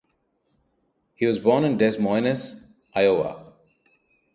He was born in Des Moines, Iowa.